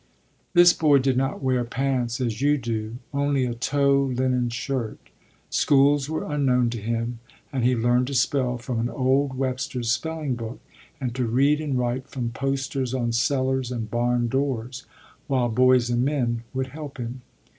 "This boy did not wear pants as you do, only a tow linen shirt. Schools were unknown to him, and he learned to spell from an old Webster's spelling book, and to read and write from posters on cellars and barn doors, while boys and men would help him.